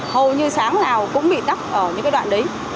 hầu như sáng nào cũng bị tắt ở những cái đoạn đấy